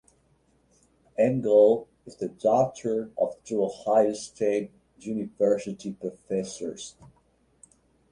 Engle is the daughter of two Ohio State University professors.